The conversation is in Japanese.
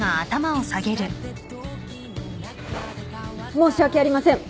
申し訳ありません。